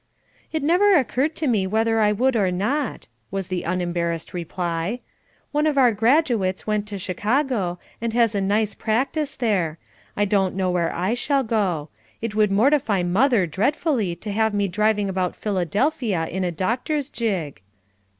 "It never occurred to me whether I would or not," was the unembarrassed reply. "One of our graduates went to Chicago, and has a nice practice there. I don't know where I shall go. It would mortify mother dreadfully to have me driving about Philadelphia in a doctor's gig."